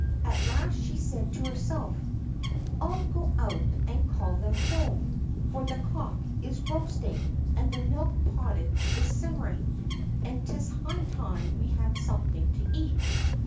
At last she said to herself: "I'll go out and call them home, for the cock is roasting, and the milk pottage is simmering, and 'tis high time we had something to eat."